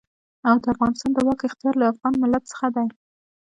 او د افغانستان د واک اختيار له افغان ملت څخه دی.